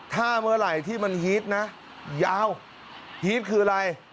ถ้าเมื่อไหร่ที่มันฮีตนะยาวฮีตคืออะไร